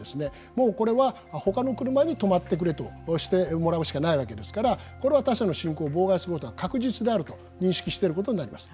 もうこれはほかの車に止まってくれとしてもらうしかないわけですからこれは他車の進行を妨害することは確実であると認識してることになります。